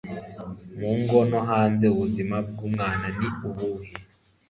mu ngo no hanze, ubuzima bwumwana ni ubuhe